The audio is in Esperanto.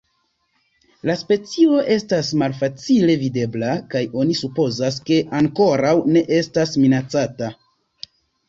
La specio estas malfacile videbla kaj oni supozas, ke ankoraŭ ne estas minacata.